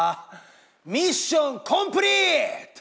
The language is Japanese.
ミッションコンプリート！